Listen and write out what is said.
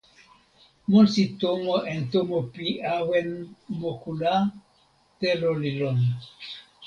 monsi tomo en tomo pi awen moku la, telo li lon.